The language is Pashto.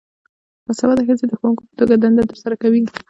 باسواده ښځې د ښوونکو په توګه دنده ترسره کوي.